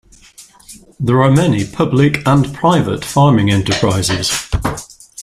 There are many public and private farming enterprises.